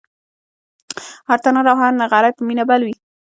هر تنور او هر نغری په مینه بل و